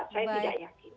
saya tidak yakin